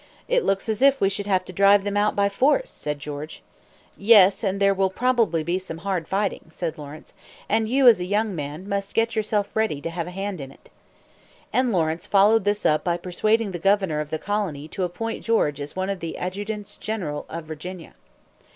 "It looks as if we should have to drive them out by force," said George. "Yes, and there will probably be some hard fighting," said Lawrence; "and you, as a young man, must get yourself ready to have a hand in it." And Lawrence followed this up by persuading the governor of the colony to appoint George as one of the adjutants general of Virginia.